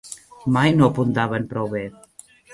Mai no apuntaven prou bé